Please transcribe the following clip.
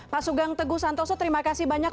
pak sugeng teguh santoso terima kasih banyak